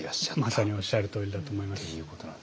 まさにおっしゃるとおりだと思います。